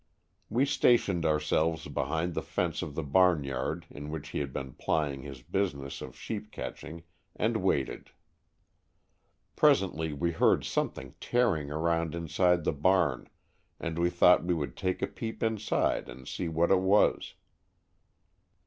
We stationed ourselves behind the fence of the barnyard in which he had been plying his business of sheep catch ing, and waited. Presently, we heard something tearing around inside the barn, and we thought we would take a peep inside and see what it was.